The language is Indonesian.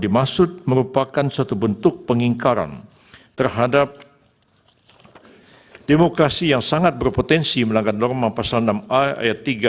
dimaksud merupakan suatu bentuk pengingkaran terhadap demokrasi yang sangat berpotensi melanggar norma pasal enam ayat tiga